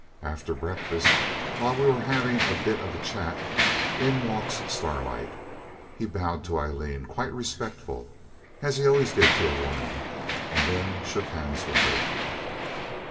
After breakfast, while we were having a bit of a chat, in walks Starlight. He bowed to Aileen quite respectful, as he always did to a woman, and then shook hands with her.